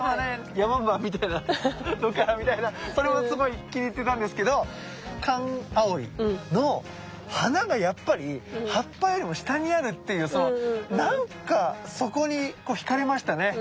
ヤマンバみたいなロッカーみたいなそれもすごい気に入ってたんですけどカンアオイの花がやっぱり葉っぱよりも下にあるっていうそのなんかそこに惹かれましたね。